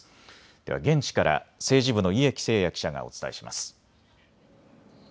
では現地から政治部の家喜誠也記者がお伝えします。